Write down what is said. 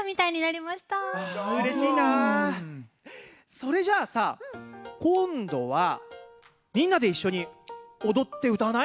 それじゃさこんどはみんなでいっしょにおどってうたわない？